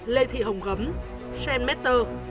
lê thị hồng gấm shen meter